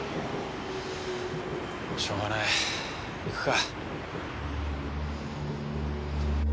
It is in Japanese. しょうがない行くか。